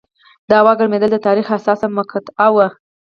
د هوا ګرمېدل د تاریخ حساسه مقطعه وه.